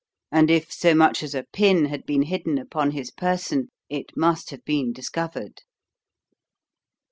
And if so much as a pin had been hidden upon his person, it must have been discovered.